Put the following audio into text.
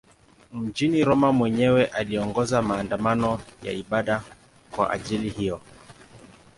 Mjini Roma mwenyewe aliongoza maandamano ya ibada kwa ajili hiyo.